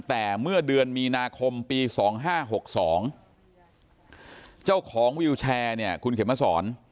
แต่เมื่อเดือนมีนาคมปี๒๕๖๒เจ้าของวิวแชร์เนี่ยคุณเข็มมาสอน